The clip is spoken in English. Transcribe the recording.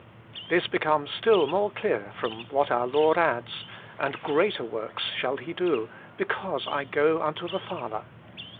This becomes still more clear from what our Lord adds :' And greater works shall he do ; because I go unto the Father.'